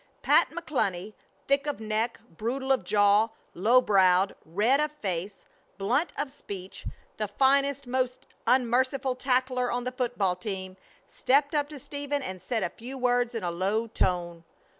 Pat McCluny, thick of neck, brutal of jaw, low browed, red of face, blunt of speech, the finest, most unmerciful tackler on the football team, stepped up to Stephen and said a few words in a low tone.